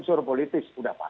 betul ini kan soal kebijakan